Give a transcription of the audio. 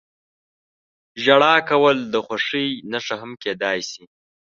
• ژړا کول د خوښۍ نښه هم کېدای شي.